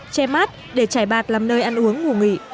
che mát để trải bạc làm nơi ăn uống ngủ nghỉ